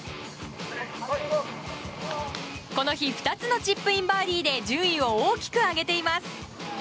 この日２つのチップインバーディーで順位を大きく上げています。